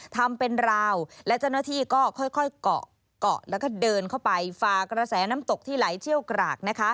ทำเป็นราวและเจ้าหน้าที่ก็ค่อยเกาะเกาะแล้วก็เดินเข้าไปฝากระแสน้ำตกที่ไหลเชี่ยวกรากนะคะ